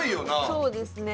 そうですね。